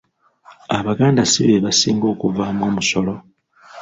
“Abaganda si bebasinga okuvaamu omusolo?